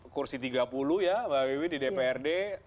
kursi tiga puluh ya mbak wiwi di dprd